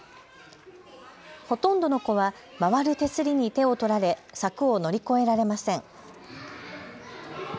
ほとんどの子は回る手すりに手を取られ柵を乗り越えられません。